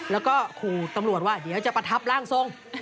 แล้วก็ขู่ตำรวจว่าเดี๋ยวจะประทับร่างทรง